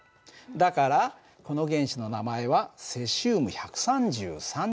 だからこの原子の名前はセシウム１３３になるんだよ。